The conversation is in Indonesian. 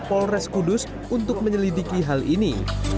polres kudus untuk menyelidiki hal ini